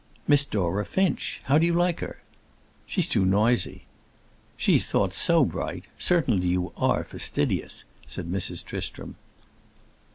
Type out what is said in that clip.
"Miss Dora Finch. How do you like her?" "She's too noisy." "She is thought so bright! Certainly, you are fastidious," said Mrs. Tristram.